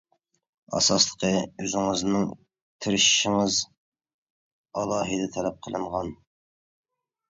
ئاساسلىقى، ئۆزىڭىزنىڭ تىرىشىشىڭىز ئالاھىدە تەلەپ قىلىنغان.